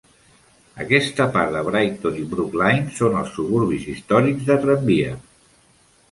Aquesta part de Brighton i Brookline són els suburbis històrics de tramvia.